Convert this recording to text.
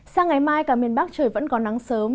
sang ngày mai cả miền bắc trời vẫn có nắng sớm